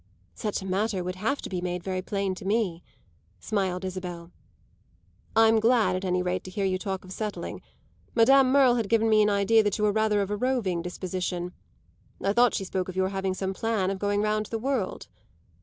"Such a matter would have to be made very plain to me," smiled Isabel. "I'm glad, at any rate, to hear you talk of settling. Madame Merle had given me an idea that you were of a rather roving disposition. I thought she spoke of your having some plan of going round the world."